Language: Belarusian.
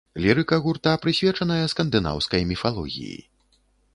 Лірыка гурта прысвечаная скандынаўскай міфалогіі.